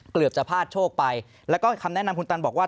เกือบจะพลาดโชคไปแล้วก็คำแนะนำคุณตันบอกว่า